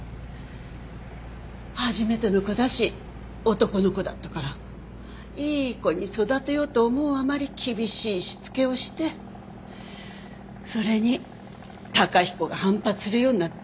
初めての子だし男の子だったからいい子に育てようと思うあまり厳しいしつけをしてそれに崇彦が反発するようになって。